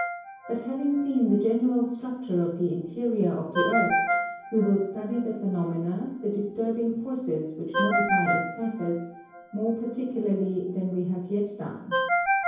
But having seen the general structure of the interior of the earth, we will study the phenomena, the dis turbing forces which modify its surface, more particularly than we have yet done.